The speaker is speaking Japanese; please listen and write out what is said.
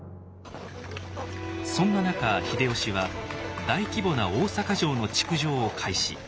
そんな中秀吉は大規模な大坂城の築城を開始。